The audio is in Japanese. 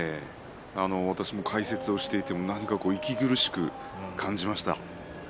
私も解説をしていても何か息苦しく感じました。